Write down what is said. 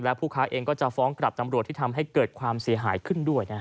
และผู้ค้าเองก็จะฟ้องกลับตำรวจที่ทำให้เกิดความเสียหายขึ้นด้วย